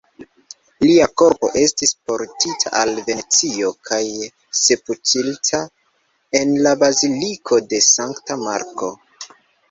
Lia korpo estis portita al Venecio kaj sepultita en la Baziliko de Sankta Marko.